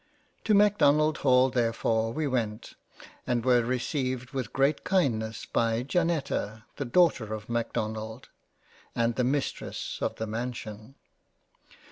To Macdonald Hall, therefore we went, and were receivec with great kindness by Janetta the Daughter of Macdonalc and the Mistress of the Mansion.